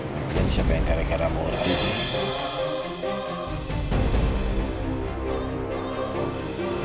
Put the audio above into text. mungkin siapa yang gara gara murti sih